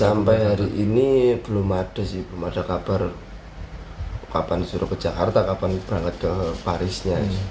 sampai hari ini belum ada sih belum ada kabar kapan suruh ke jakarta kapan berangkat ke parisnya